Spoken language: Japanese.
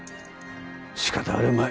しかたあるまい。